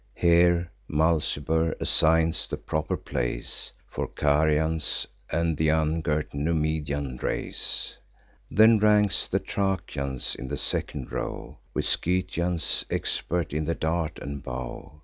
Here, Mulciber assigns the proper place For Carians, and th' ungirt Numidian race; Then ranks the Thracians in the second row, With Scythians, expert in the dart and bow.